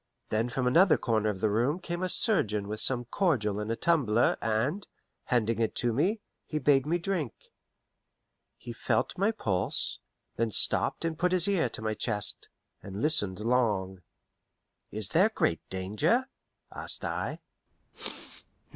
Then from another corner of the room came a surgeon with some cordial in a tumbler, and, handing it to me, he bade me drink. He felt my pulse; then stopped and put his ear to my chest, and listened long. "Is there great danger?" asked I.